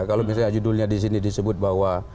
kalau misalnya judulnya disini disebut bahwa